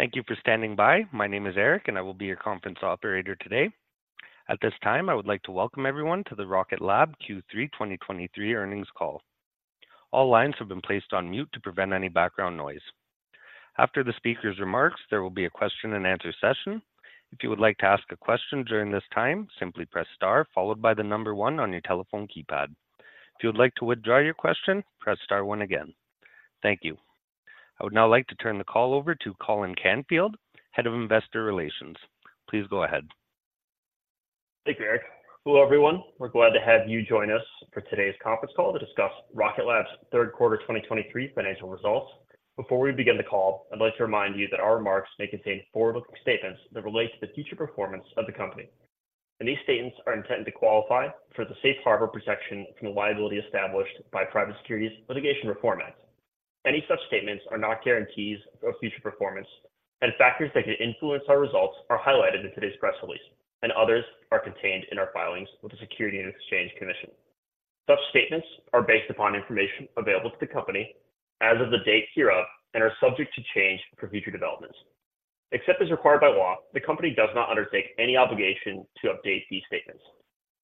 Thank you for standing by. My name is Eric, and I will be your conference operator today. At this time, I would like to welcome everyone to the Rocket Lab Q3 2023 earnings call. All lines have been placed on mute to prevent any background noise. After the speaker's remarks, there will be a question and answer session. If you would like to ask a question during this time, simply press star followed by the number one on your telephone keypad. If you would like to withdraw your question, press star one again. Thank you. I would now like to turn the call over to Colin Canfield, Head of Investor Relations. Please go ahead. Thank you, Eric. Hello, everyone. We're glad to have you join us for today's conference call to discuss Rocket Lab's third quarter 2023 financial results. Before we begin the call, I'd like to remind you that our remarks may contain forward-looking statements that relate to the future performance of the company. These statements are intended to qualify for the safe harbor protection from the liability established by Private Securities Litigation Reform Act. Any such statements are not guarantees of future performance, and factors that could influence our results are highlighted in today's press release, and others are contained in our filings with the Securities and Exchange Commission. Such statements are based upon information available to the company as of the date hereof and are subject to change for future developments. Except as required by law, the company does not undertake any obligation to update these statements.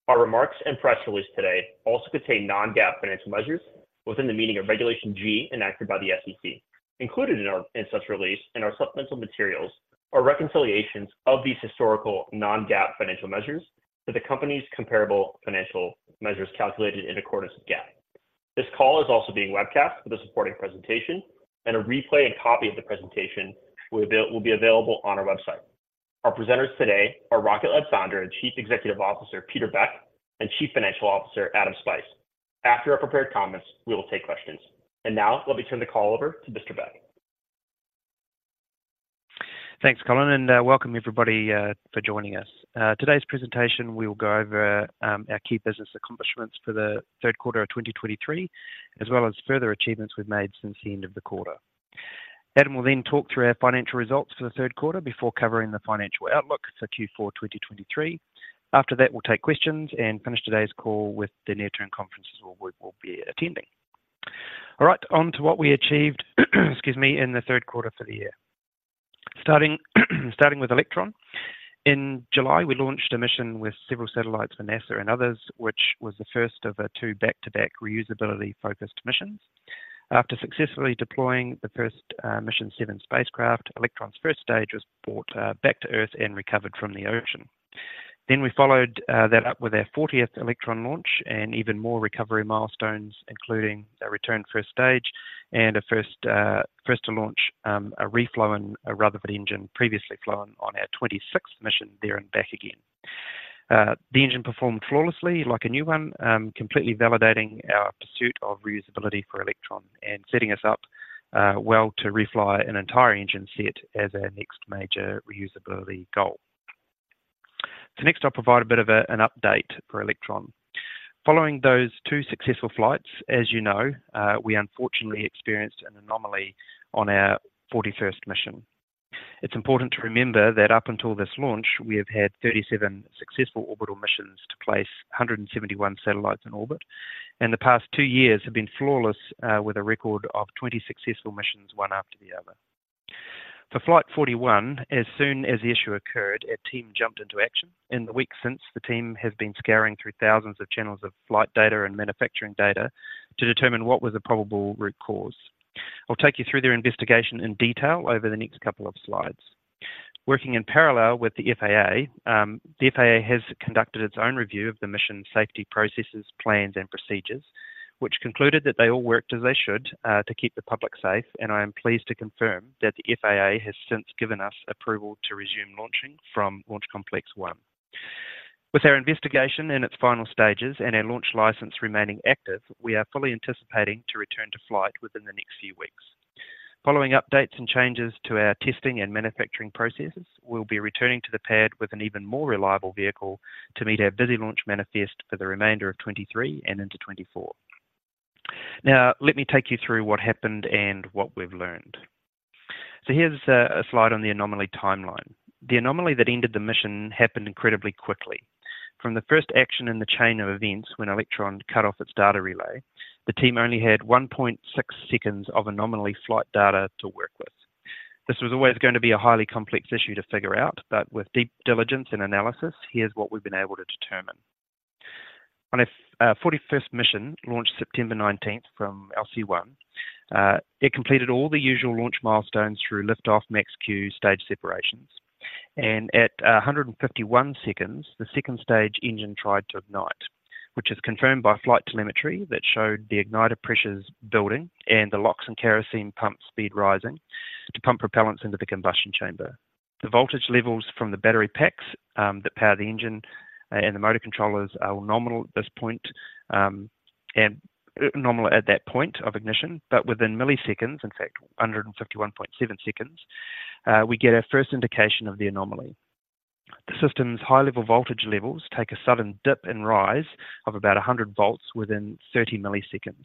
Our remarks and press release today also contain non-GAAP financial measures within the meaning of Regulation G enacted by the SEC. Included in our, in such release in our supplemental materials are reconciliations of these historical non-GAAP financial measures to the company's comparable financial measures calculated in accordance with GAAP. This call is also being webcast with a supporting presentation, and a replay and copy of the presentation will be available on our website. Our presenters today are Rocket Lab Founder and Chief Executive Officer, Peter Beck, and Chief Financial Officer, Adam Spice. After our prepared comments, we will take questions. And now let me turn the call over to Mr. Beck. Thanks, Colin, and welcome, everybody, for joining us. Today's presentation, we will go over our key business accomplishments for the third quarter of 2023, as well as further achievements we've made since the end of the quarter. Adam will then talk through our financial results for the third quarter before covering the financial outlook for Q4 2023. After that, we'll take questions and finish today's call with the near-term conferences where we will be attending. All right, on to what we achieved, excuse me, in the third quarter for the year. Starting with Electron. In July, we launched a mission with several satellites for NASA and others, which was the first of a two back-to-back reusability-focused missions. After successfully deploying the first mission seven spacecraft, Electron's first stage was brought back to Earth and recovered from the ocean. Then we followed that up with our 40th Electron launch and even more recovery milestones, including a return first stage and a first to launch a re-flown Rutherford engine, previously flown on our 26th mission, there and back again. The engine performed flawlessly like a new one, completely validating our pursuit of reusability for Electron and setting us up well to refly an entire engine set as our next major reusability goal. So next, I'll provide a bit of an update for Electron. Following those two successful flights, as you know, we unfortunately experienced an anomaly on our 41st mission. It's important to remember that up until this launch, we have had 37 successful orbital missions to place 171 satellites in orbit, and the past two years have been flawless, with a record of 20 successful missions, one after the other. For flight 41, as soon as the issue occurred, our team jumped into action. In the weeks since, the team has been scouring through thousands of channels of flight data and manufacturing data to determine what was the probable root cause. I'll take you through their investigation in detail over the next couple of slides. Working in parallel with the FAA, the FAA has conducted its own review of the mission safety processes, plans, and procedures, which concluded that they all worked as they should, to keep the public safe, and I am pleased to confirm that the FAA has since given us approval to resume launching from Launch Complex One. With our investigation in its final stages and our launch license remaining active, we are fully anticipating to return to flight within the next few weeks. Following updates and changes to our testing and manufacturing processes, we'll be returning to the pad with an even more reliable vehicle to meet our busy launch manifest for the remainder of 2023 and into 2024. Now, let me take you through what happened and what we've learned. So here's a slide on the anomaly timeline. The anomaly that ended the mission happened incredibly quickly. From the first action in the chain of events, when Electron cut off its data relay, the team only had 1.6 seconds of anomaly flight data to work with. This was always gonna be a highly complex issue to figure out, but with deep diligence and analysis, here's what we've been able to determine. On our 41st mission, launched September 19 from LC-1, it completed all the usual launch milestones through liftoff Max Q stage separations. And at 151 seconds, the second stage engine tried to ignite, which is confirmed by flight telemetry that showed the igniter pressures building and the LOX and kerosene pump speed rising to pump propellants into the combustion chamber. The voltage levels from the battery packs that power the engine and the motor controllers are nominal at this point, and nominal at that point of ignition, but within milliseconds, in fact, 151.7 seconds, we get our first indication of the anomaly. The system's high level voltage levels take a sudden dip and rise of about 100 volts within 30 milliseconds,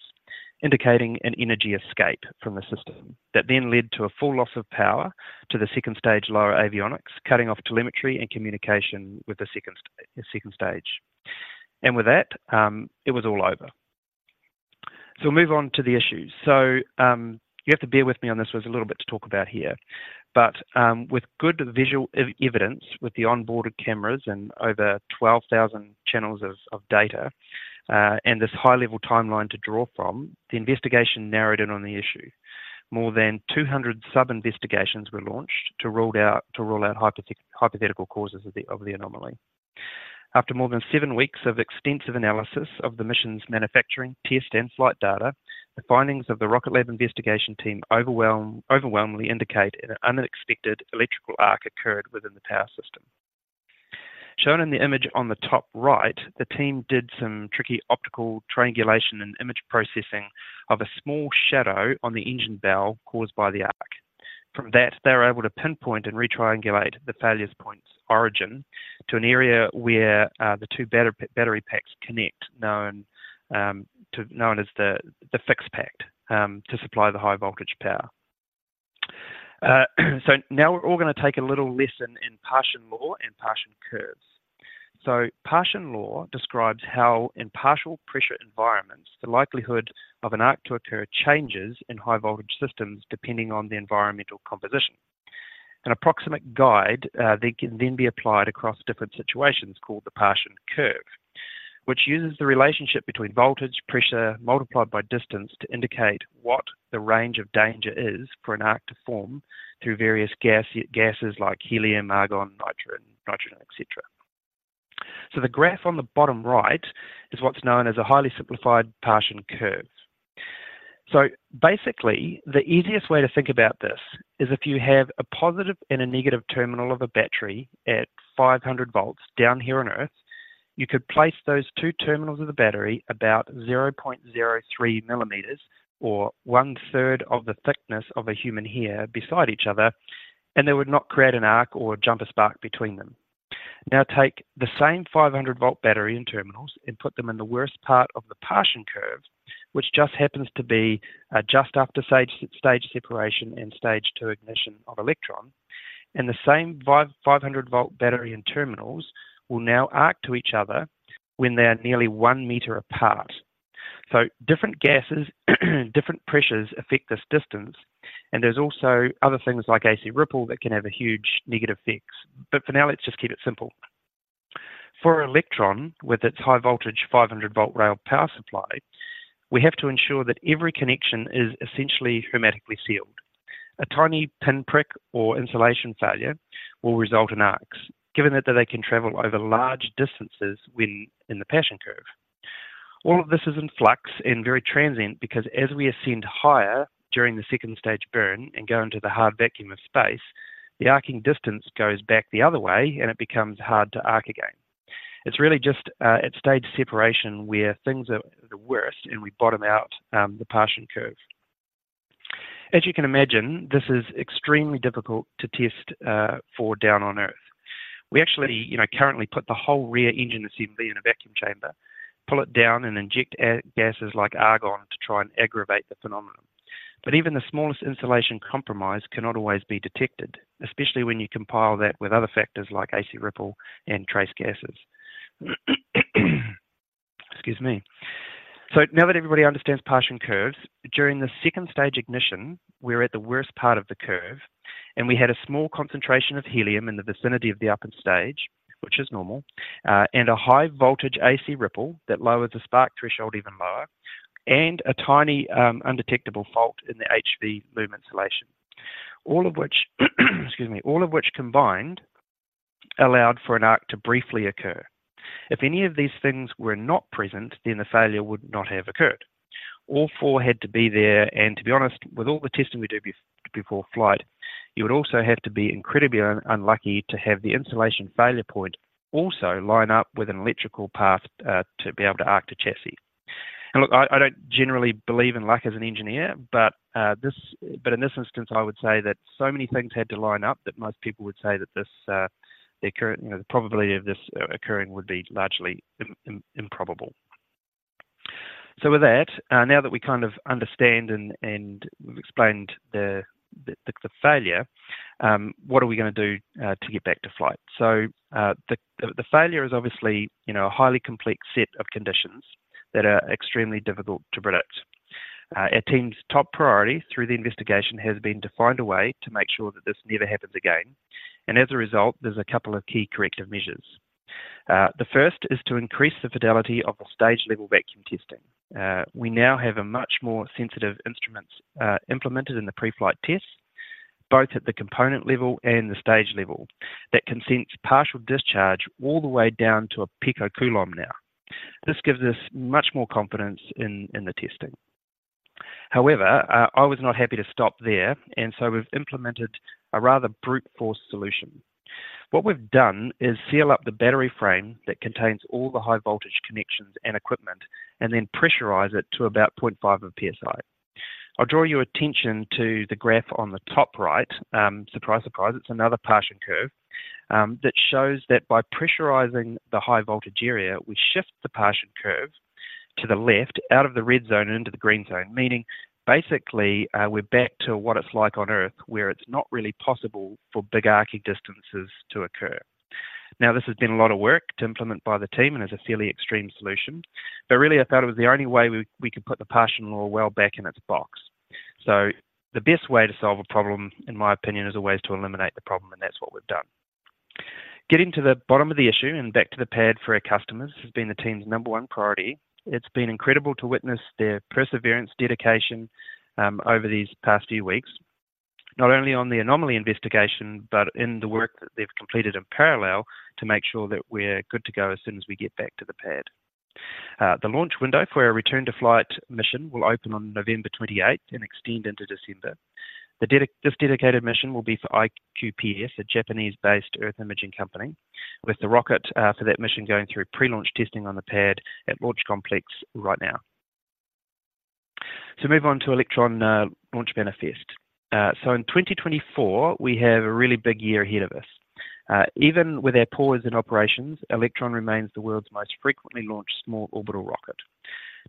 indicating an energy escape from the system. That then led to a full loss of power to the second stage lower avionics, cutting off telemetry and communication with the second stage. And with that, it was all over... So we'll move on to the issues. So, you have to bear with me on this, there's a little bit to talk about here. But with good visual evidence with the onboard cameras and over 12,000 channels of data, and this high-level timeline to draw from, the investigation narrowed in on the issue. More than 200 sub-investigations were launched to rule out hypothetical causes of the anomaly. After more than seven weeks of extensive analysis of the mission's manufacturing, test, and flight data, the findings of the Rocket Lab investigation team overwhelmingly indicate an unexpected electrical arc occurred within the power system. Shown in the image on the top right, the team did some tricky optical triangulation and image processing of a small shadow on the engine bell caused by the arc. From that, they were able to pinpoint and re-triangulate the failure's point origin to an area where the two battery packs connect, known as the fixed pack to supply the high voltage power. Now we're all gonna take a little lesson in Paschen Law and Paschen curves. Paschen Law describes how, in partial pressure environments, the likelihood of an arc to occur changes in high voltage systems, depending on the environmental composition. An approximate guide they can then be applied across different situations, called the Paschen curve, which uses the relationship between voltage, pressure, multiplied by distance, to indicate what the range of danger is for an arc to form through various gases like helium, argon, nitrogen, et cetera. The graph on the bottom right is what's known as a highly simplified Paschen curve. So basically, the easiest way to think about this is if you have a positive and a negative terminal of a battery at 500 volts down here on Earth, you could place those two terminals of the battery about 0.03 millimeters, or one third of the thickness of a human hair, beside each other, and they would not create an arc or jump a spark between them. Now, take the same 500-volt battery and terminals and put them in the worst part of the Paschen Curve, which just happens to be just after stage separation and stage 2 ignition of Electron, and the same 500-volt battery and terminals will now arc to each other when they are nearly 1 meter apart. So different gases, different pressures affect this distance, and there's also other things like AC ripple that can have a huge negative effects. But for now, let's just keep it simple. For Electron, with its high voltage, 500-volt rail power supply, we have to ensure that every connection is essentially hermetically sealed. A tiny pinprick or insulation failure will result in arcs, given that they can travel over large distances when in the Paschen Curve. All of this is in flux and very transient because as we ascend higher during the second stage burn and go into the hard vacuum of space, the arcing distance goes back the other way, and it becomes hard to arc again. It's really just at stage separation, where things are the worst, and we bottom out the Paschen Curve. As you can imagine, this is extremely difficult to test for down on Earth. We actually, you know, currently put the whole rear engine assembly in a vacuum chamber, pull it down, and inject gases like argon to try and aggravate the phenomenon. But even the smallest insulation compromise cannot always be detected, especially when you compile that with other factors like AC ripple and trace gases. Excuse me. So now that everybody understands Paschen curves, during the second stage ignition, we're at the worst part of the curve, and we had a small concentration of helium in the vicinity of the upper stage, which is normal, and a high voltage AC ripple that lowers the spark threshold even lower, and a tiny, undetectable fault in the HV loom insulation. All of which, excuse me, all of which combined, allowed for an arc to briefly occur. If any of these things were not present, then the failure would not have occurred. All four had to be there, and to be honest, with all the testing we do before flight, you would also have to be incredibly unlucky to have the insulation failure point also line up with an electrical path to be able to arc to chassis. And look, I don't generally believe in luck as an engineer, but in this instance, I would say that so many things had to line up, that most people would say that this, you know, the occurrence, the probability of this occurring would be largely improbable. So with that, now that we kind of understand and we've explained the failure, what are we gonna do to get back to flight? So, the failure is obviously, you know, a highly complex set of conditions that are extremely difficult to predict. Our team's top priority through the investigation has been to find a way to make sure that this never happens again, and as a result, there's a couple of key corrective measures. The first is to increase the fidelity of the stage level vacuum testing. We now have a much more sensitive instruments implemented in the pre-flight tests, both at the component level and the stage level, that can sense partial discharge all the way down to a picocoulomb now. This gives us much more confidence in the testing. However, I was not happy to stop there, and so we've implemented a rather brute force solution. What we've done is seal up the battery frame that contains all the high voltage connections and equipment and then pressurize it to about 0.5 PSI. I'll draw your attention to the graph on the top right, surprise, surprise, it's another Paschen Curve, that shows that by pressurizing the high voltage area, we shift the Paschen Curve to the left, out of the red zone and into the green zone. Meaning basically, we're back to what it's like on Earth, where it's not really possible for big arcing distances to occur. Now, this has been a lot of work to implement by the team, and is a fairly extreme solution. But really, I thought it was the only way we could put the Paschen Law well back in its box. So the best way to solve a problem, in my opinion, is always to eliminate the problem, and that's what we've done. Getting to the bottom of the issue and back to the pad for our customers has been the team's number one priority. It's been incredible to witness their perseverance, dedication over these past few weeks. Not only on the anomaly investigation, but in the work that they've completed in parallel, to make sure that we're good to go as soon as we get back to the pad. The launch window for our return-to-flight mission will open on November 28 and extend into December. This dedicated mission will be for iQPS, a Japanese-based earth imaging company, with the rocket for that mission going through pre-launch testing on the pad at launch complex right now. To move on to Electron launch manifest. In 2024, we have a really big year ahead of us. Even with our pause in operations, Electron remains the world's most frequently launched small orbital rocket.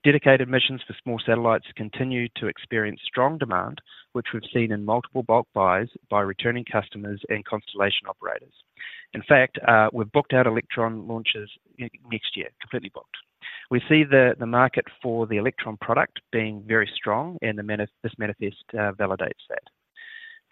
Dedicated missions for small satellites continue to experience strong demand, which we've seen in multiple bulk buys by returning customers and constellation operators. In fact, we've booked out Electron launches next year, completely booked. We see the market for the Electron product being very strong, and this manifest validates that.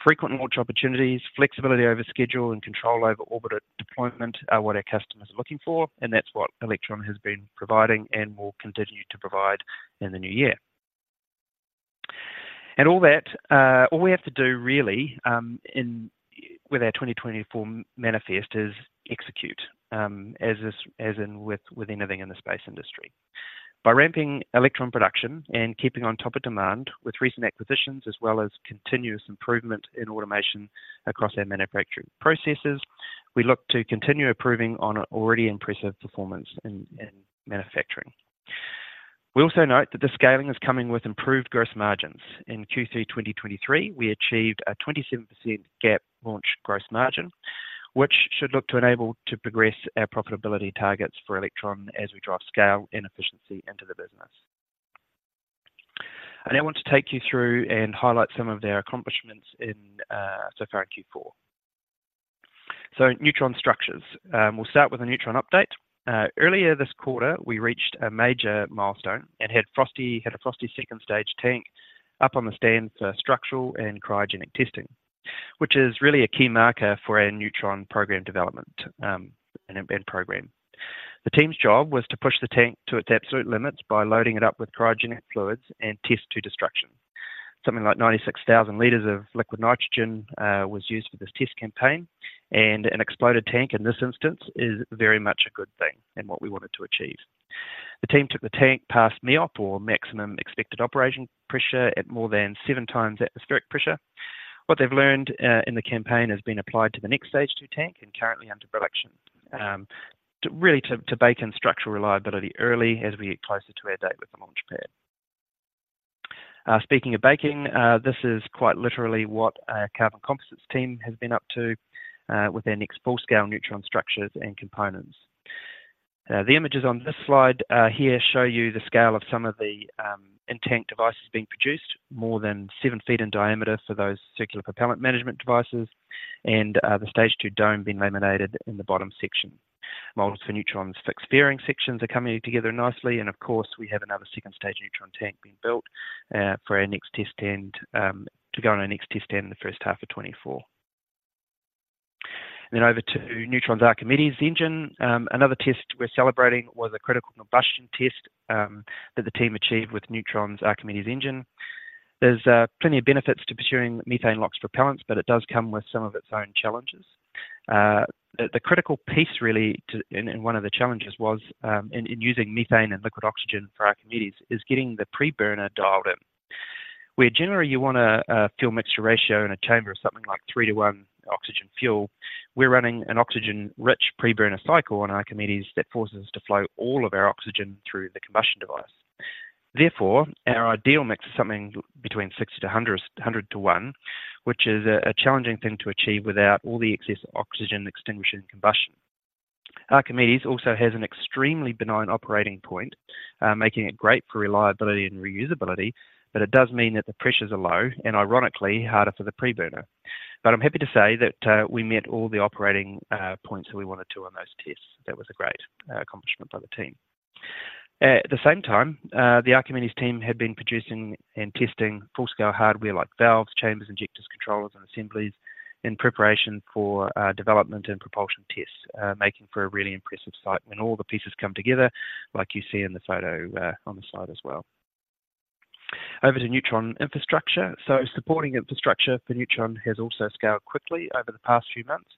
Frequent launch opportunities, flexibility over schedule, and control over orbital deployment are what our customers are looking for, and that's what Electron has been providing and will continue to provide in the new year. And all that, all we have to do really, with our 2024 manifest, is execute, as is, as in with, with anything in the space industry. By ramping Electron production and keeping on top of demand with recent acquisitions, as well as continuous improvement in automation across our manufacturing processes, we look to continue improving on an already impressive performance in manufacturing. We also note that the scaling is coming with improved gross margins. In Q3 2023, we achieved a 27% GAAP launch gross margin, which should look to enable to progress our profitability targets for Electron as we drive scale and efficiency into the business. I now want to take you through and highlight some of their accomplishments in so far in Q4. So Neutron structures. We'll start with a Neutron update. Earlier this quarter, we reached a major milestone and had a first second stage tank up on the stand for structural and cryogenic testing, which is really a key marker for our Neutron program development and Neutron program. The team's job was to push the tank to its absolute limits by loading it up with cryogenic fluids and test to destruction. Something like 96,000 liters of liquid nitrogen was used for this test campaign, and an exploded tank in this instance is very much a good thing and what we wanted to achieve. The team took the tank past MEOP, or Maximum Expected Operating Pressure, at more than seven times atmospheric pressure. What they've learned in the campaign has been applied to the next stage two tank, and currently under production. To really bake in structural reliability early as we get closer to our date with the launch pad. Speaking of baking, this is quite literally what our carbon composites team has been up to with our next full-scale Neutron structures and components. The images on this slide here show you the scale of some of the in-tank devices being produced, more than seven feet in diameter for those circular propellant management devices, and the stage two dome being laminated in the bottom section. Models for Neutron's fixed fairing sections are coming together nicely, and of course, we have another second-stage Neutron tank being built for our next test stand to go on our next test stand in the first half of 2024. Then over to Neutron's Archimedes engine. Another test we're celebrating was a critical combustion test that the team achieved with Neutron's Archimedes engine. There's plenty of benefits to pursuing methane LOX propellants, but it does come with some of its own challenges. The critical piece really, and one of the challenges was in using methane and liquid oxygen for Archimedes, is getting the preburner dialed in. Where generally you want a fuel mixture ratio in a chamber of something like 3-to-1 oxygen fuel, we're running an oxygen-rich preburner cycle on Archimedes that forces us to flow all of our oxygen through the combustion device. Therefore, our ideal mix is something between 60-to-1 to 100-to-1, which is a challenging thing to achieve without all the excess oxygen extinguishing combustion. Archimedes also has an extremely benign operating point, making it great for reliability and reusability, but it does mean that the pressures are low, and ironically, harder for the preburner. But I'm happy to say that we met all the operating points that we wanted to on those tests. That was a great accomplishment by the team. At the same time, the Archimedes team had been producing and testing full-scale hardware like valves, chambers, injectors, controllers, and assemblies, in preparation for development and propulsion tests. Making for a really impressive sight when all the pieces come together, like you see in the photo on the slide as well. Over to Neutron infrastructure. So supporting infrastructure for Neutron has also scaled quickly over the past few months.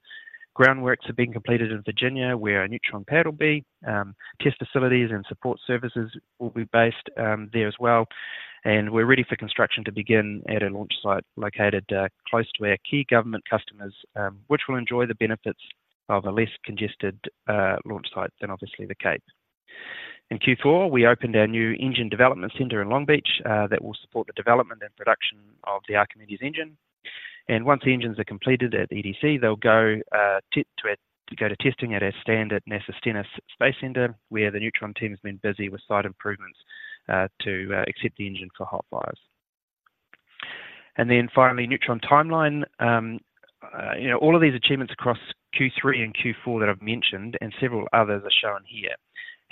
Groundworks are being completed in Virginia, where our Neutron pad will be. Test facilities and support services will be based there as well, and we're ready for construction to begin at a launch site located close to our key government customers, which will enjoy the benefits of a less congested launch site than obviously the Cape. In Q4, we opened our new Engine Development Center in Long Beach that will support the development and production of the Archimedes engine. And once the engines are completed at the EDC, they'll go to testing at our stand at NASA Stennis Space Center, where the Neutron team has been busy with site improvements to accept the engine for hot fires. And then finally, Neutron timeline. You know, all of these achievements across Q3 and Q4 that I've mentioned, and several others are shown here,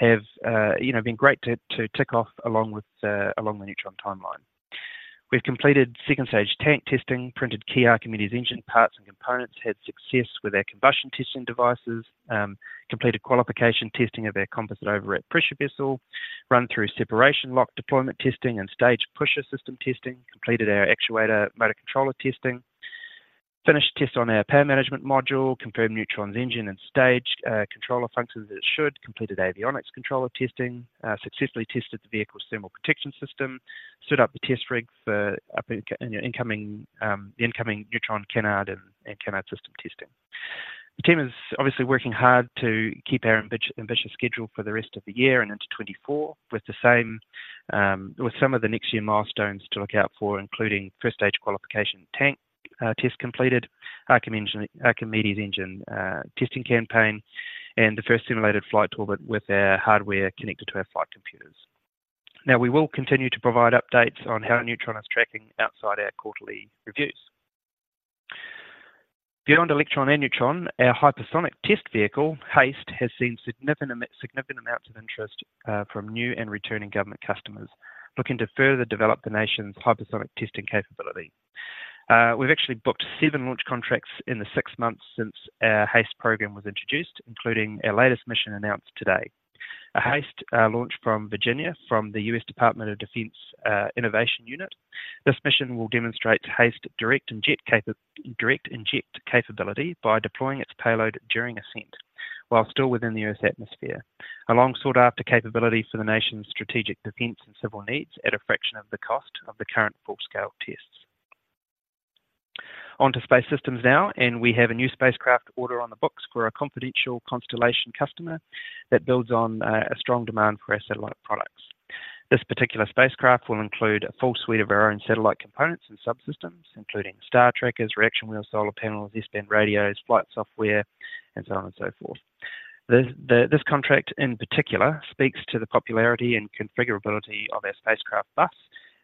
have, you know, been great to, to tick off along with the, along the Neutron timeline. We've completed second stage tank testing, printed key Archimedes engine parts and components, had success with our combustion testing devices. Completed qualification testing of our composite overwrapped pressure vessel, run through separation lock deployment testing and stage pusher system testing, completed our actuator motor controller testing. Finished tests on our power management module, confirmed Neutron's engine and stage controller functions as it should. Completed avionics controller testing, successfully tested the vehicle's thermal protection system, set up the test rig for the incoming Neutron canard and canard system testing. The team is obviously working hard to keep our ambitious schedule for the rest of the year and into 2024, with some of the next year milestones to look out for, including first stage qualification tank test completed, Archimedes engine testing campaign, and the first simulated flight orbit with our hardware connected to our flight computers. Now, we will continue to provide updates on how Neutron is tracking outside our quarterly reviews. Beyond Electron and Neutron, our hypersonic test vehicle, HASTE, has seen significant amounts of interest from new and returning government customers looking to further develop the nation's hypersonic testing capability. We've actually booked seven launch contracts in the six months since our HASTE program was introduced, including our latest mission announced today. A HASTE launch from Virginia from the U.S. Department of Defense Innovation Unit. This mission will demonstrate HASTE direct inject capability by deploying its payload during ascent while still within the Earth's atmosphere. A long sought after capability for the nation's strategic defense and civil needs at a fraction of the cost of the current full-scale tests. On to space systems now, and we have a new spacecraft order on the books for a confidential constellation customer that builds on a strong demand for our satellite products. This particular spacecraft will include a full suite of our own satellite components and subsystems, including star trackers, reaction wheels, solar panels, S-band radios, flight software, and so on and so forth. This contract in particular speaks to the popularity and configurability of our spacecraft bus,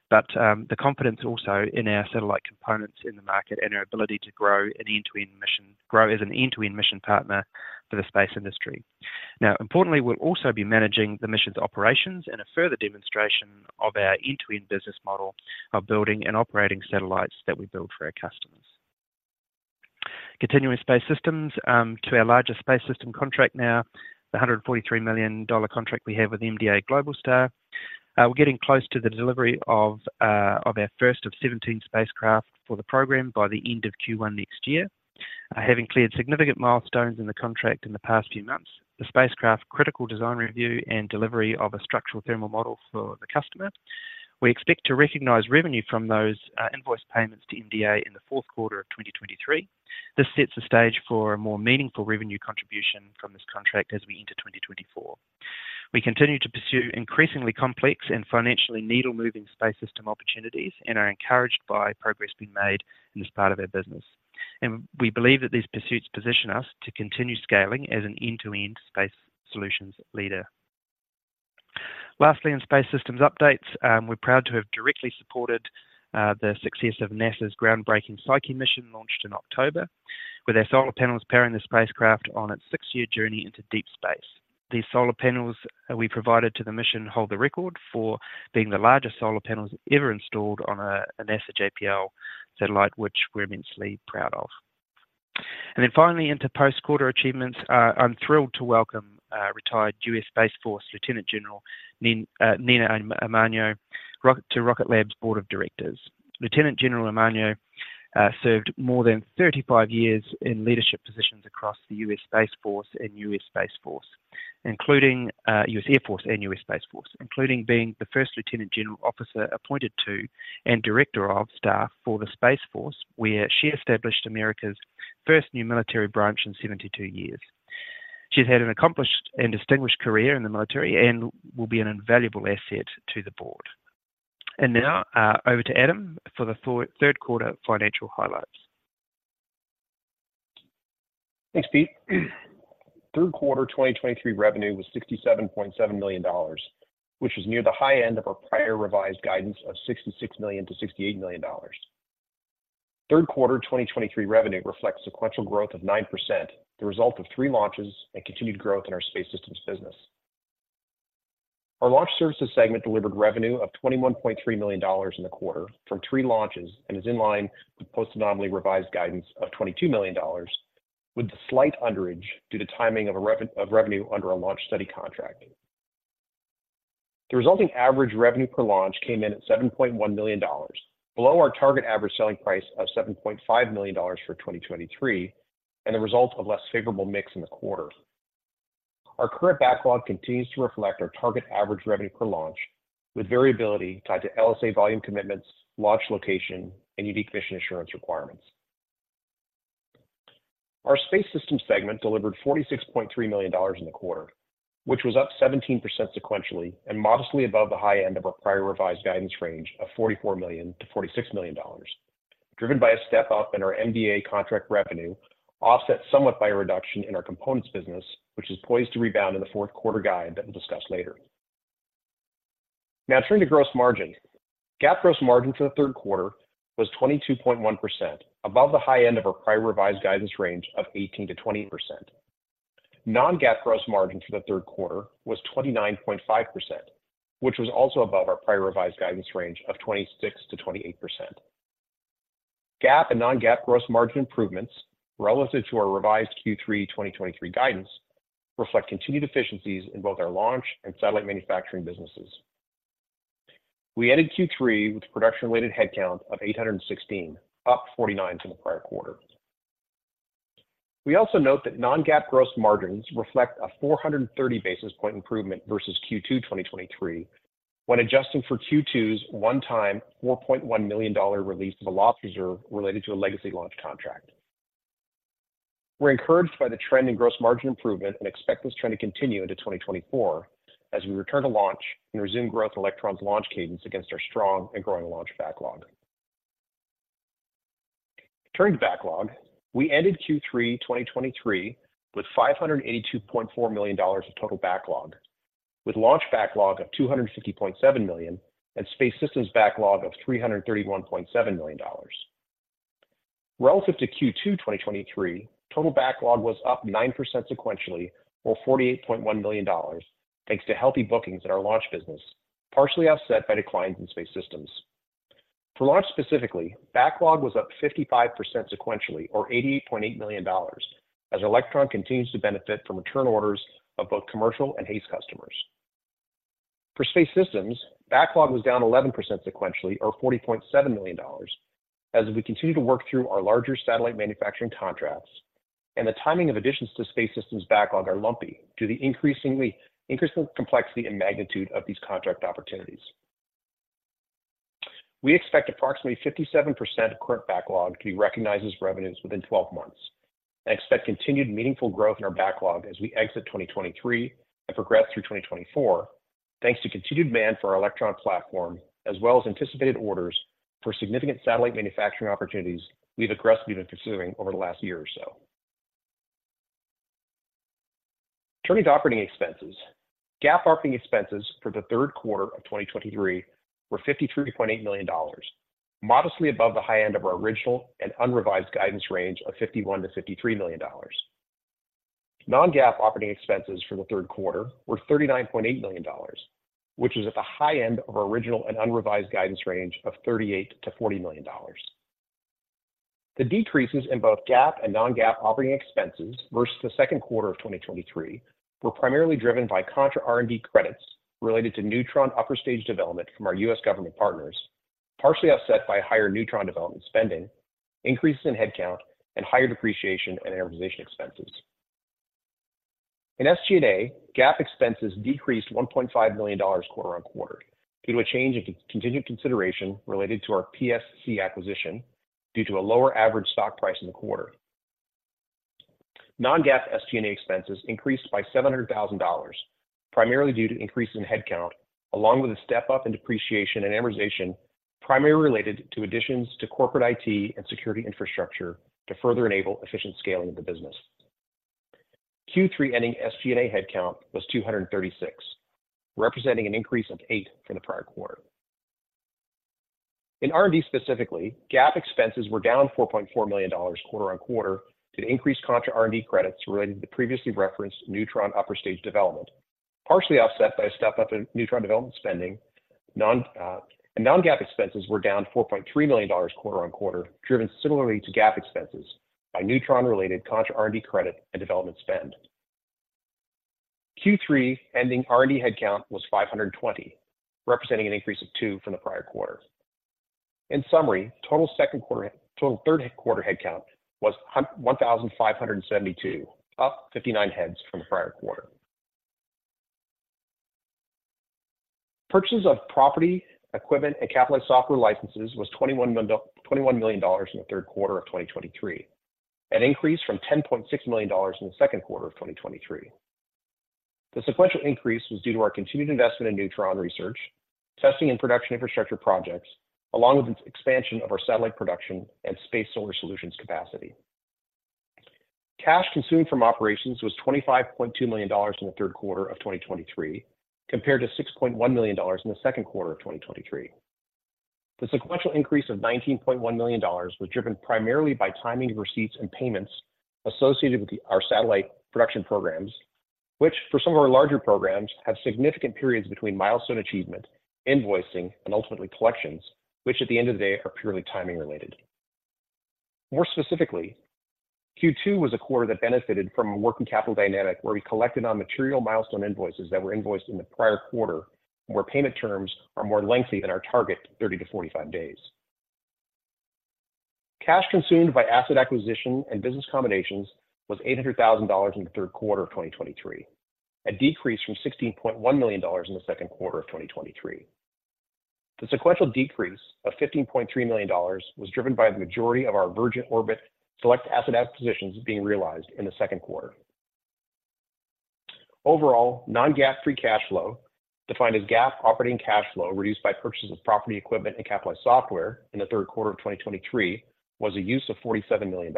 but the confidence also in our satellite components in the market and our ability to grow as an end-to-end mission partner for the space industry. Now, importantly, we'll also be managing the mission's operations and a further demonstration of our end-to-end business model of building and operating satellites that we build for our customers. Continuing with space systems, to our largest space system contract now, the $143 million contract we have with MDA Globalstar. We're getting close to the delivery of our first of 17 spacecraft for the program by the end of Q1 next year. Having cleared significant milestones in the contract in the past few months, the spacecraft critical design review and delivery of a structural thermal model for the customer. We expect to recognize revenue from those invoice payments to MDA in the fourth quarter of 2023. This sets the stage for a more meaningful revenue contribution from this contract as we enter 2024. We continue to pursue increasingly complex and financially needle-moving space system opportunities and are encouraged by progress being made in this part of our business. We believe that these pursuits position us to continue scaling as an end-to-end space solutions leader. Lastly, in space systems updates, we're proud to have directly supported the success of NASA's groundbreaking Psyche mission, launched in October, with our solar panels powering the spacecraft on its six-year journey into deep space. These solar panels we provided to the mission hold the record for being the largest solar panels ever installed on a NASA JPL satellite, which we're immensely proud of. And then finally, into post-quarter achievements. I'm thrilled to welcome retired U.S. Space Force Lieutenant General Nina Armagno to Rocket Lab's board of directors. Lieutenant General Armagno served more than 35 years in leadership positions across the U.S. Space Force, including the U.S. Air Force and U.S. Space Force, including being the first lieutenant general officer appointed to and director of staff for the Space Force, where she established America's first new military branch in 72 years. She's had an accomplished and distinguished career in the military and will be an invaluable asset to the board. And now, over to Adam for the third quarter financial highlights. Thanks, Pete. Third quarter 2023 revenue was $67.7 million, which is near the high end of our prior revised guidance of $66 million-$68 million. Third quarter 2023 revenue reflects sequential growth of 9%, the result of three launches and continued growth in our space systems business. Our launch services segment delivered revenue of $21.3 million in the quarter from three launches, and is in line with post-anomaly revised guidance of $22 million, with a slight underrage due to timing of revenue under a launch study contract. The resulting average revenue per launch came in at $7.1 million, below our target average selling price of $7.5 million for 2023, and the result of less favorable mix in the quarter. Our current backlog continues to reflect our target average revenue per launch, with variability tied to LSA volume commitments, launch location, and unique mission assurance requirements. Our space systems segment delivered $46.3 million in the quarter, which was up 17% sequentially and modestly above the high end of our prior revised guidance range of $44 million-$46 million. Driven by a step up in our MDA contract revenue, offset somewhat by a reduction in our components business, which is poised to rebound in the fourth quarter guide that we'll discuss later.... Now turning to gross margin. GAAP gross margin for the third quarter was 22.1%, above the high end of our prior revised guidance range of 18%-20%. Non-GAAP gross margin for the third quarter was 29.5%, which was also above our prior revised guidance range of 26%-28%. GAAP and non-GAAP gross margin improvements relative to our revised Q3 2023 guidance reflect continued efficiencies in both our launch and satellite manufacturing businesses. We ended Q3 with production-related headcount of 816, up 49 from the prior quarter. We also note that non-GAAP gross margins reflect a 430 basis point improvement versus Q2 2023, when adjusting for Q2's one-time $4.1 million release of a loss reserve related to a legacy launch contract. We're encouraged by the trend in gross margin improvement and expect this trend to continue into 2024 as we return to launch and resume growth in Electron's launch cadence against our strong and growing launch backlog. Turning to backlog, we ended Q3 2023 with $582.4 million of total backlog, with launch backlog of $250.7 million and space systems backlog of $331.7 million. Relative to Q2 2023, total backlog was up 9% sequentially, or $48.1 million, thanks to healthy bookings in our launch business, partially offset by declines in space systems. For launch, specifically, backlog was up 55% sequentially, or $88.8 million, as Electron continues to benefit from return orders of both commercial and HASTE customers. For space systems, backlog was down 11% sequentially or $40.7 million, as we continue to work through our larger satellite manufacturing contracts, and the timing of additions to space systems backlog are lumpy due to the increasing complexity and magnitude of these contract opportunities. We expect approximately 57% of current backlog to be recognized as revenues within 12 months, and expect continued meaningful growth in our backlog as we exit 2023 and progress through 2024, thanks to continued demand for our Electron platform, as well as anticipated orders for significant satellite manufacturing opportunities we've aggressively been pursuing over the last year or so. Turning to operating expenses. GAAP operating expenses for the third quarter of 2023 were $53.8 million, modestly above the high end of our original and unrevised guidance range of $51 million-$53 million. Non-GAAP operating expenses for the third quarter were $39.8 million, which is at the high end of our original and unrevised guidance range of $38 million-$40 million. The decreases in both GAAP and non-GAAP operating expenses versus the second quarter of 2023 were primarily driven by contra R&D credits related to Neutron upper stage development from our U.S. government partners, partially offset by higher Neutron development spending, increases in headcount, and higher depreciation and amortization expenses. In SG&A, GAAP expenses decreased $1.5 million quarter on quarter due to a change in contingent consideration related to our PSC acquisition due to a lower average stock price in the quarter. Non-GAAP SG&A expenses increased by $700,000, primarily due to increases in headcount, along with a step-up in depreciation and amortization, primarily related to additions to corporate IT and security infrastructure to further enable efficient scaling of the business. Q3 ending SG&A headcount was 236, representing an increase of 8 from the prior quarter. In R&D, specifically, GAAP expenses were down $4.4 million quarter-over-quarter due to increased contra R&D credits related to the previously referenced Neutron upper stage development, partially offset by a step up in Neutron development spending. Non-GAAP expenses were down $4.3 million quarter-over-quarter, driven similarly to GAAP expenses by Neutron-related contra R&D credit and development spend. Q3 ending R&D headcount was 520, representing an increase of 2 from the prior quarter. In summary, total third quarter headcount was 1,572, up 59 heads from the prior quarter. Purchases of property, equipment, and capitalized software licenses was $21 million in the third quarter of 2023, an increase from $10.6 million in the second quarter of 2023. The sequential increase was due to our continued investment in Neutron research, testing and production infrastructure projects, along with the expansion of our satellite production and space solar solutions capacity. Cash consumed from operations was $25.2 million in the third quarter of 2023, compared to $6.1 million in the second quarter of 2023. The sequential increase of $19.1 million was driven primarily by timing of receipts and payments associated with our satellite production programs, which, for some of our larger programs, have significant periods between milestone achievement, invoicing, and ultimately, collections, which, at the end of the day, are purely timing related. More specifically, Q2 was a quarter that benefited from a working capital dynamic, where we collected on material milestone invoices that were invoiced in the prior quarter, where payment terms are more lengthy than our target, 30-45 days. Cash consumed by asset acquisition and business combinations was $800,000 in the third quarter of 2023, a decrease from $16.1 million in the second quarter of 2023. The sequential decrease of $15.3 million was driven by the majority of our Virgin Orbit select asset acquisitions being realized in the second quarter. Overall, non-GAAP free cash flow, defined as GAAP operating cash flow, reduced by purchases of property, equipment, and capitalized software in the third quarter of 2023, was a use of $47 million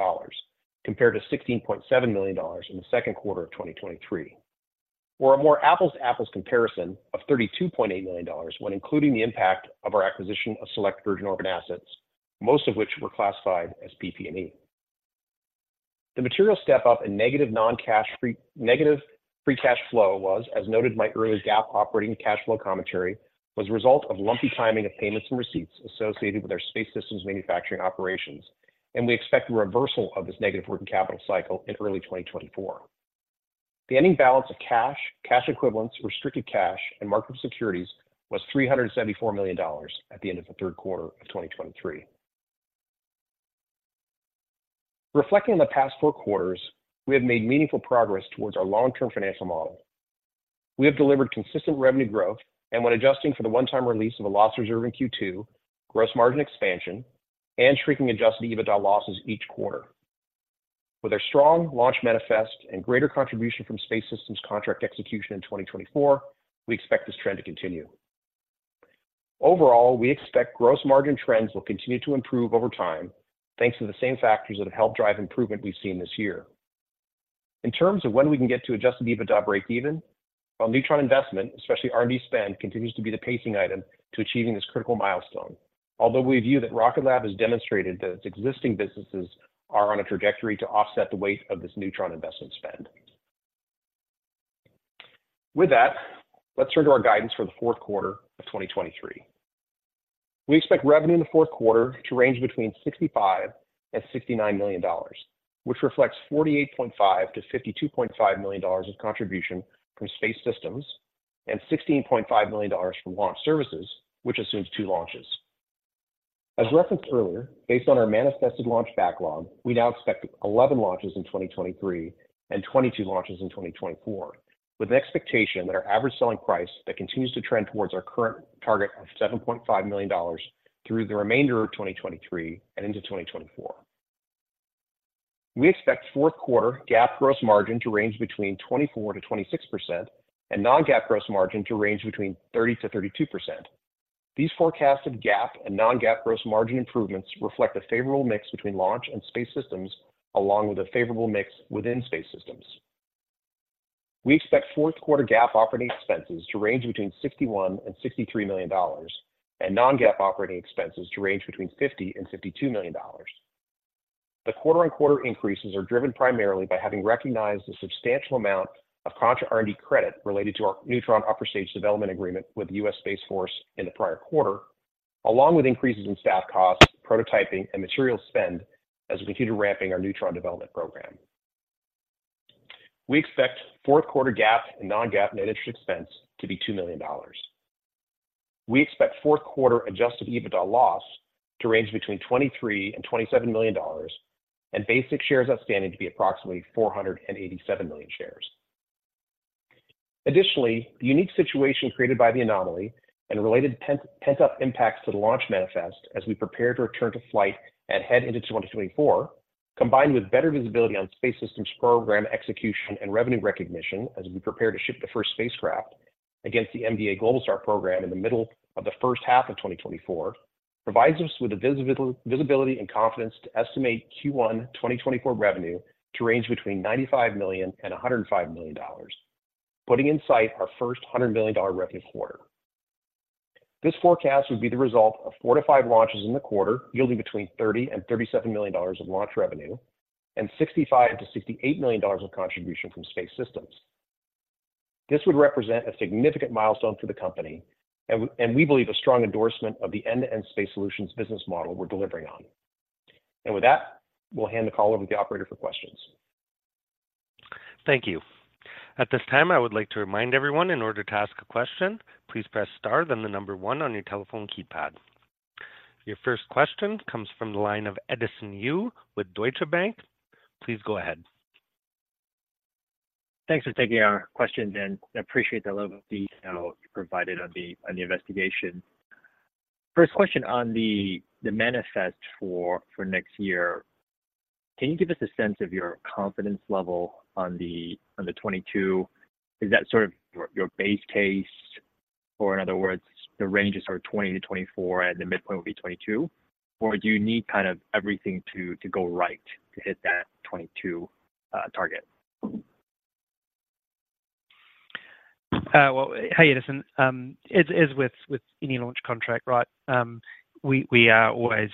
compared to $16.7 million in the second quarter of 2023, or a more apples-to-apples comparison of $32.8 million when including the impact of our acquisition of select Virgin Orbit assets, most of which were classified as PP&E. The material step-up and negative Non-cash free cash flow was, as noted in my earlier GAAP operating cash flow commentary, a result of lumpy timing of payments and receipts associated with our space systems manufacturing operations, and we expect a reversal of this negative working capital cycle in early 2024. The ending balance of cash, cash equivalents, restricted cash, and market securities was $374 million at the end of the third quarter of 2023. Reflecting on the past four quarters, we have made meaningful progress towards our long-term financial model. We have delivered consistent revenue growth, and when adjusting for the one-time release of a loss reserve in Q2, gross margin expansion, and shrinking adjusted EBITDA losses each quarter. With our strong launch manifest and greater contribution from space systems contract execution in 2024, we expect this trend to continue. Overall, we expect gross margin trends will continue to improve over time, thanks to the same factors that have helped drive improvement we've seen this year. In terms of when we can get to Adjusted EBITDA breakeven, well, Neutron investment, especially R&D spend, continues to be the pacing item to achieving this critical milestone. Although we view that Rocket Lab has demonstrated that its existing businesses are on a trajectory to offset the weight of this Neutron investment spend. With that, let's turn to our guidance for the fourth quarter of 2023. We expect revenue in the fourth quarter to range between $65 million and $69 million, which reflects $48.5 million-$52.5 million of contribution from Space Systems and $16.5 million from Launch Services, which assumes two launches. As referenced earlier, based on our manifested launch backlog, we now expect 11 launches in 2023 and 22 launches in 2024, with an expectation that our average selling price that continues to trend towards our current target of $7.5 million through the remainder of 2023 and into 2024. We expect fourth quarter GAAP gross margin to range between 24%-26% and non-GAAP gross margin to range between 30%-32%. These forecasted GAAP and non-GAAP gross margin improvements reflect a favorable mix between Launch and Space Systems, along with a favorable mix within Space Systems. We expect fourth quarter GAAP operating expenses to range between $61 million and $63 million, and non-GAAP operating expenses to range between $50 million and $52 million. The quarter-over-quarter increases are driven primarily by having recognized a substantial amount of contra R&D credit related to our Neutron upper stage development agreement with the U.S. Space Force in the prior quarter, along with increases in staff costs, prototyping, and material spend as we continue ramping our Neutron development program. We expect fourth quarter GAAP and non-GAAP net interest expense to be $2 million. We expect fourth quarter adjusted EBITDA loss to range between $23 million and $27 million and basic shares outstanding to be approximately 487 million shares. Additionally, the unique situation created by the anomaly and related pent-up impacts to the launch manifest as we prepare to return to flight and head into 2024, combined with better visibility on space systems program execution and revenue recognition as we prepare to ship the first spacecraft against the MDA Globalstar program in the middle of the first half of 2024, provides us with the visibility and confidence to estimate Q1 2024 revenue to range between $95 million and $105 million, putting in sight our first $100 million revenue quarter. This forecast would be the result of 4-5 launches in the quarter, yielding between $30 million and $37 million of launch revenue and $65-$68 million of contribution from Space Systems. This would represent a significant milestone for the company and we believe, a strong endorsement of the end-to-end space solutions business model we're delivering on. With that, we'll hand the call over to the operator for questions. Thank you. At this time, I would like to remind everyone in order to ask a question, please press Star, then 1 on your telephone keypad. Your first question comes from the line of Edison Yu with Deutsche Bank. Please go ahead. Thanks for taking our questions, and I appreciate the level of detail you provided on the investigation. First question on the manifest for next year, can you give us a sense of your confidence level on the 22? Is that sort of your base case, or in other words, the ranges are 20-24, and the midpoint will be 22? Or do you need kind of everything to go right to hit that 22 target? Well, hey, Edison. As with any launch contract, right, we are always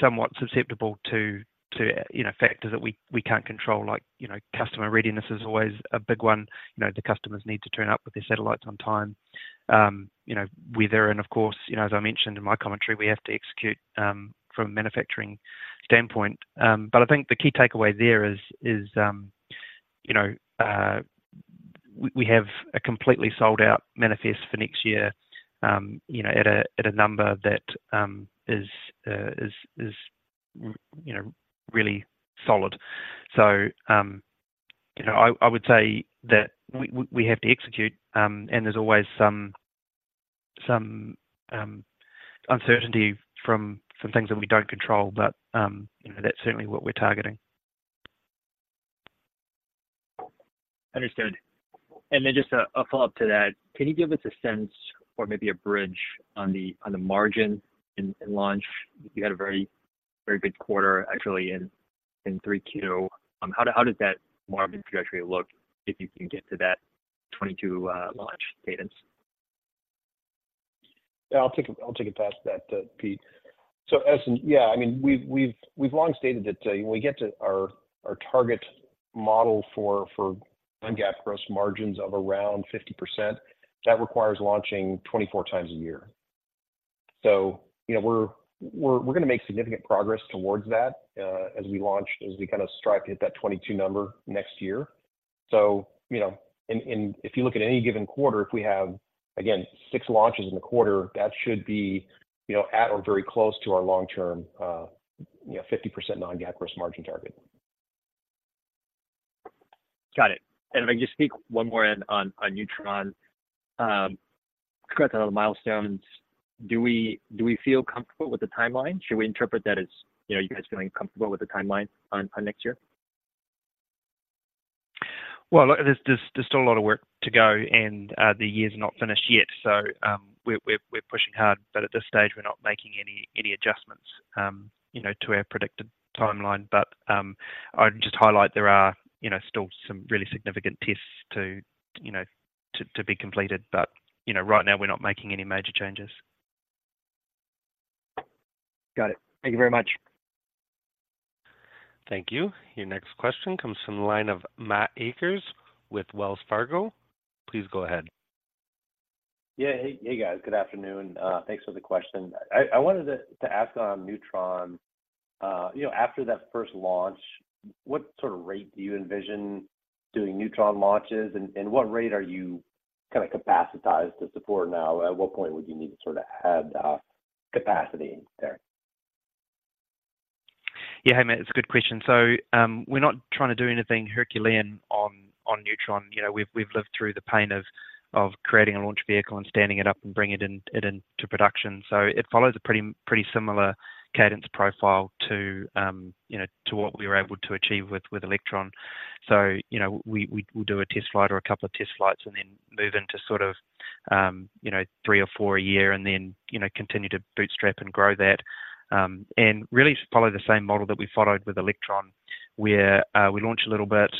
somewhat susceptible to, you know, factors that we can't control. Like, you know, customer readiness is always a big one. You know, the customers need to turn up with their satellites on time. You know, weather and of course, you know, as I mentioned in my commentary, we have to execute from a manufacturing standpoint. But I think the key takeaway there is, you know, we have a completely sold-out manifest for next year, you know, at a number that is, you know, really solid. You know, I would say that we have to execute, and there's always some uncertainty from some things that we don't control, but you know, that's certainly what we're targeting.... Understood. And then just a follow-up to that, can you give us a sense or maybe a bridge on the margin in launch? You had a very, very good quarter, actually, in Q3. How does that margin trajectory look if you can get to that 22 launch cadence? Yeah, I'll take it, I'll take a pass at that, Pete. So as in, yeah, I mean, we've long stated that when we get to our target model for non-GAAP gross margins of around 50%, that requires launching 24 times a year. So, you know, we're gonna make significant progress towards that as we launch, as we kind of strive to hit that 22 number next year. So, you know, and if you look at any given quarter, if we have, again, six launches in the quarter, that should be, you know, at or very close to our long-term 50% non-GAAP gross margin target. Got it. If I can just sneak one more in on Neutron. Correct on the milestones, do we feel comfortable with the timeline? Should we interpret that as, you know, you guys feeling comfortable with the timeline on next year? Well, look, there's still a lot of work to go, and the year's not finished yet. So, we're pushing hard, but at this stage, we're not making any adjustments, you know, to our predicted timeline. But I'd just highlight there are, you know, still some really significant tests to, you know, to be completed. But, you know, right now, we're not making any major changes. Got it. Thank you very much. Thank you. Your next question comes from the line of Matt Akers with Wells Fargo. Please go ahead. Yeah. Hey, hey, guys. Good afternoon. Thanks for the question. I wanted to ask on Neutron, you know, after that first launch, what sort of rate do you envision doing Neutron launches? And what rate are you kind of capacitized to support now? At what point would you need to sort of add capacity there? Yeah. Hey, Matt, it's a good question. So, we're not trying to do anything Herculean on Neutron. You know, we've lived through the pain of creating a launch vehicle and standing it up and bringing it into production. So it follows a pretty similar cadence profile to what we were able to achieve with Electron. So, you know, we'll do a test flight or a couple of test flights and then move into sort of three or four a year, and then, you know, continue to bootstrap and grow that. And really follow the same model that we followed with Electron, where we launch a little bit,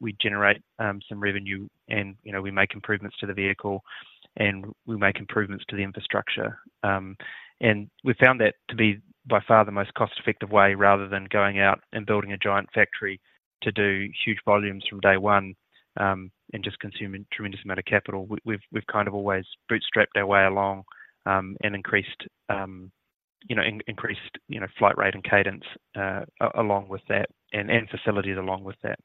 we generate some revenue, and, you know, we make improvements to the vehicle, and we make improvements to the infrastructure. And we found that to be by far the most cost-effective way, rather than going out and building a giant factory to do huge volumes from day one, and just consuming tremendous amount of capital. We've kind of always bootstrapped our way along, and increased, you know, flight rate and cadence, along with that and facilities along with that.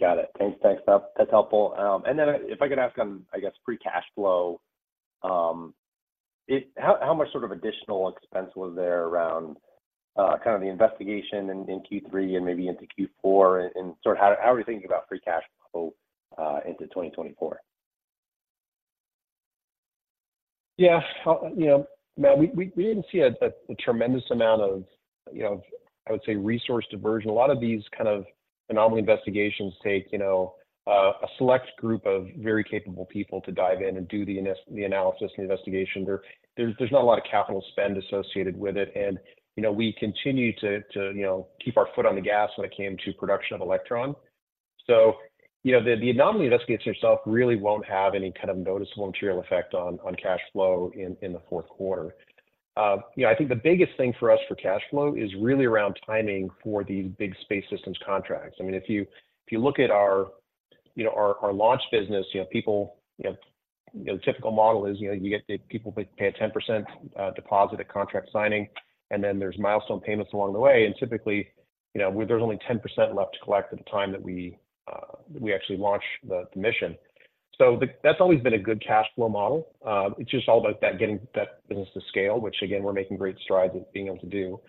Got it. Thanks. Thanks, that, that's helpful. And then if I could ask on, I guess, free cash flow. How much sort of additional expense was there around kind of the investigation in Q3 and maybe into Q4, and sort of how are you thinking about free cash flow into 2024? Yeah, you know, Matt, we didn't see a tremendous amount of, you know, I would say, resource diversion. A lot of these kind of anomaly investigations take, you know, a select group of very capable people to dive in and do the analysis and investigation. There's not a lot of capital spend associated with it, and, you know, we continue to, you know, keep our foot on the gas when it came to production of Electron. So, you know, the anomaly investigations themselves really won't have any kind of noticeable material effect on cash flow in the fourth quarter. You know, I think the biggest thing for us for cash flow is really around timing for these big space systems contracts. I mean, if you, if you look at our, you know, our, our launch business, you know, people, you know, the typical model is, you know, you get the people pay a 10% deposit at contract signing, and then there's milestone payments along the way. And typically, you know, there's only 10% left to collect at the time that we, we actually launch the mission. So that's always been a good cash flow model. It's just all about that, getting that business to scale, which, again, we're making great strides at being able to do.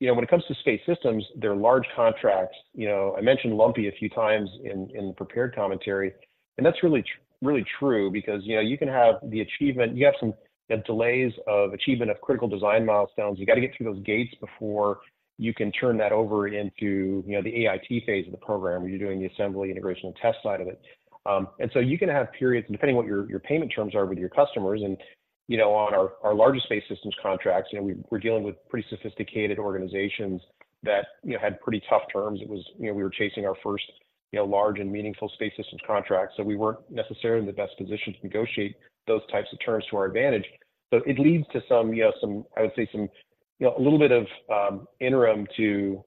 You know, when it comes to space systems, they're large contracts. You know, I mentioned lumpy a few times in the prepared commentary, and that's really, really true because, you know, you can have the achievement. You have some delays of achievement of critical design milestones. You got to get through those gates before you can turn that over into, you know, the AIT phase of the program, where you're doing the assembly, integration, and test side of it. And so you can have periods, depending on what your payment terms are with your customers, and, you know, on our largest space systems contracts, you know, we're dealing with pretty sophisticated organizations that, you know, had pretty tough terms. It was, you know, we were chasing our first, you know, large and meaningful space systems contract, so we weren't necessarily in the best position to negotiate those types of terms to our advantage. So it leads to some, you know, I would say, a little bit of interim to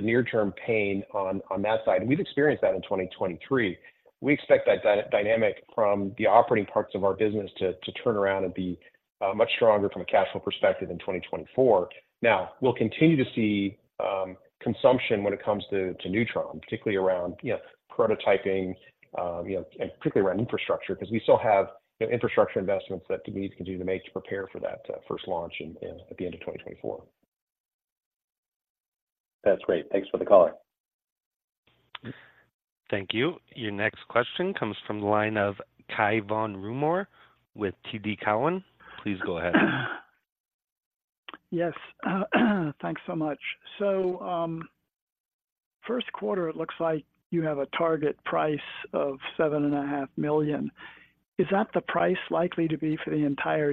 near-term pain on that side. And we've experienced that in 2023. We expect that dynamic from the operating parts of our business to turn around and be much stronger from a cash flow perspective in 2024. Now, we'll continue to see consumption when it comes to Neutron, particularly around, you know, prototyping, you know, and particularly around infrastructure, because we still have, you know, infrastructure investments that we need to do to prepare for that first launch at the end of 2024. That's great. Thanks for the color. Thank you. Your next question comes from the line of Cai von Rumohr with TD Cowen. Please go ahead. Yes, thanks so much. So, first quarter, it looks like you have a target price of $7.5 million. Is that the price likely to be for the entire year?